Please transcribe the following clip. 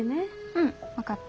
うん分かった。